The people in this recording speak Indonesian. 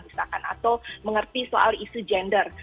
misalkan atau mengerti soal isu gender